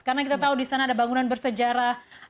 karena kita tahu di sana ada bangunan bersejarah